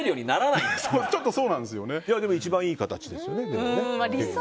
一番いい形ですよね。